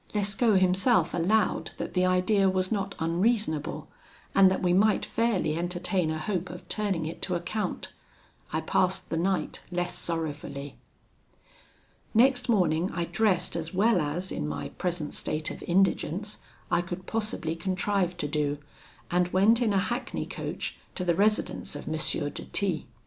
"Lescaut himself allowed that the idea was not unreasonable, and that we might fairly entertain a hope of turning it to account. I passed the night less sorrowfully. "Next morning I dressed as well as, in my present state of indigence, I could possibly contrive to do; and went in a hackney coach to the residence of M. de T